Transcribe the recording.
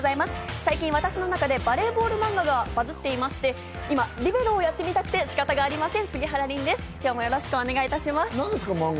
最近私の中でバレーボール漫画がバズっていまして、今リベロをやってみたくて仕方ありません。